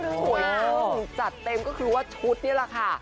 ซึ่งจัดเต็มก็คือว่าชุดนี่แหละค่ะ